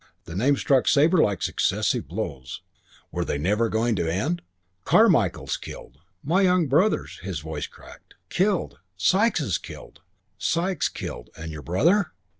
The names struck Sabre like successive blows. Were they never going to end? "Carmichael's killed. My young brother's " his voice cracked "killed. Sikes is killed." "Sikes killed.... And your brother...."